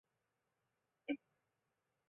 英国途易飞航空的总部位于英国卢顿。